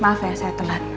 maaf ya saya telat